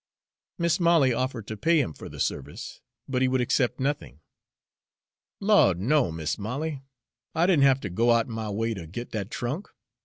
Mis' Molly offered to pay him for the service, but he would accept nothing. "Lawd, no, Mis' Molly; I did n' hafter go out'n my way ter git dat trunk.